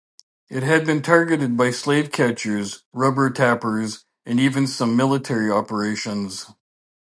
It had been targeted by slave catchers, rubber tappers, and even some military operations.